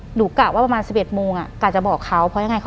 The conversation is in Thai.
หลังจากนั้นเราไม่ได้คุยกันนะคะเดินเข้าบ้านอืม